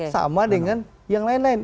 sama dengan yang lain lain